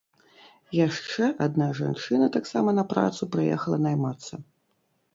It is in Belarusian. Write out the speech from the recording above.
Яшчэ адна жанчына таксама на працу прыехала наймацца.